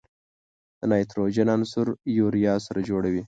د نایتروجن عنصر یوریا سره جوړوي.